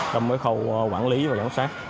trong cái khâu quản lý và giám sát